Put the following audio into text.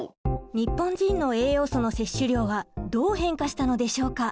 日本人の栄養素の摂取量はどう変化したのでしょうか？